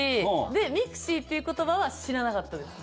でミクシィっていう言葉は知らなかったです。